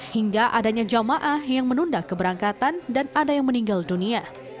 hingga adanya jamaah yang menunda keberangkatan dan ada yang meninggal dunia